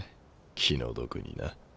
気の毒にな。